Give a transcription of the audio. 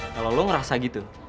kalau lo ngerasa gitu